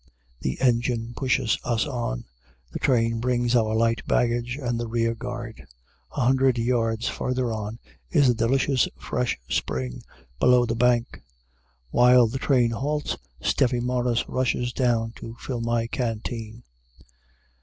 The engine pushes us on. This train brings our light baggage and the rear guard. A hundred yards farther on is a delicious fresh spring below the bank. While the train halts, Stephe Morris rushes down to fill my canteen.